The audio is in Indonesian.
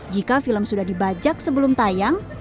jika film sudah dibajak sebelum tayang